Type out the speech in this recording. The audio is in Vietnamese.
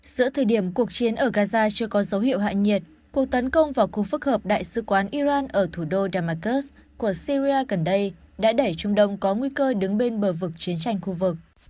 giữa thời điểm cuộc chiến ở gaza chưa có dấu hiệu hạ nhiệt cuộc tấn công vào khu phức hợp đại sứ quán iran ở thủ đô damascus của syria gần đây đã đẩy trung đông có nguy cơ đứng bên bờ vực chiến tranh khu vực